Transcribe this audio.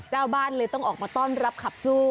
เจ้าบ้านเลยต้องออกมาต้อนรับขับสู้